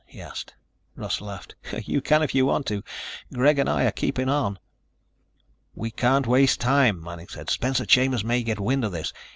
he asked. Russ laughed. "You can if you want to. Greg and I are keeping on." "We can't waste time," Manning said. "Spencer Chambers may get wind of this.